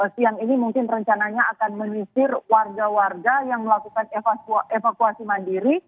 siang ini mungkin rencananya akan menyisir warga warga yang melakukan evakuasi mandiri